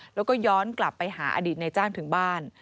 แล้วก็ย้อนกลับไปหาอดีตในจ้างถึงบ้าน